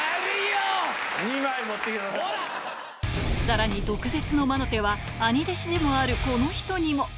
さらに、毒舌の魔の手は兄弟子でもあるこの人にも。